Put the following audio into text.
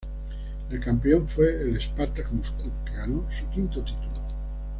El campeón fue el Spartak Moscú, que ganó su quinto título.